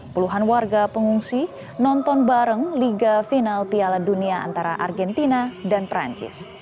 puluhan warga pengungsi nonton bareng liga final piala dunia antara argentina dan perancis